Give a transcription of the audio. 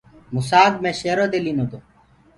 موسآڪ مي شيرو دي لينو تو۔